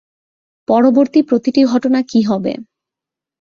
পরবর্তী প্রতিটি ঘটনা কি হবে।